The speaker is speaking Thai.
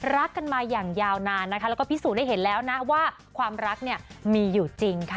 รักกันมาอย่างยาวนานนะคะแล้วก็พิสูจน์ให้เห็นแล้วนะว่าความรักเนี่ยมีอยู่จริงค่ะ